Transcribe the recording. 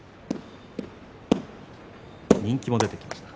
人気も出てきました。